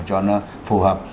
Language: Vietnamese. cho nó phù hợp